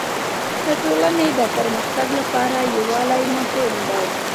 د ټولني د پرمختګ لپاره يووالی مهم دی.